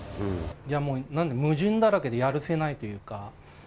もう矛盾だらけでやるせないというか。